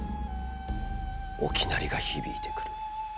沖鳴りが響いてくる。